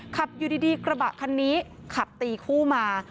ขับอยู่ดีกระบะคันนี้ขับตีคู่มา